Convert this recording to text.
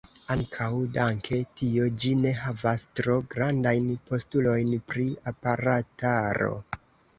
Ankaŭ danke tio ĝi ne havas tro grandajn postulojn pri aparataro.